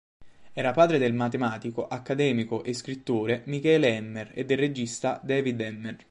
Era padre del matematico, accademico e scrittore Michele Emmer e del regista David Emmer.